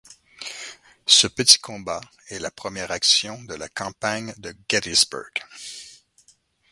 Ce petit combat est la première action de la campagne de Gettysburg.